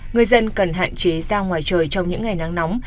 người dân cần hạn chế ra ngoài trời trong những ngày nắng nóng